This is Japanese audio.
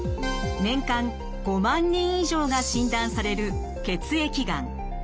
年間５万人以上が診断される血液がん。